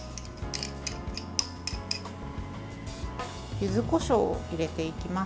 ゆずこしょうを入れていきます。